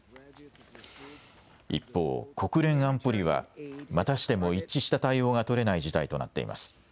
一方、国連安保理はまたしても一致した対応が取れない事態となっています。